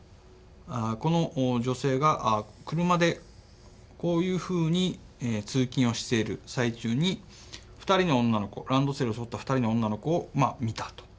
この女性が車でこういうふうに通勤をしている最中に２人の女の子ランドセルを背負った２人の女の子を見たと。